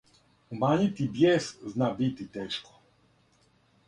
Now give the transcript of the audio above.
Умањити бијес зна бити тешко.